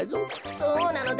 そうなのだ。